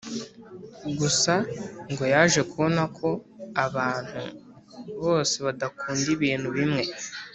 gusa ngo yaje kubona ko abantu bose badakunda ibintu bimwe